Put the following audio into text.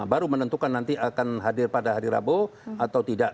baru menentukan nanti akan hadir pada hari rabu atau tidak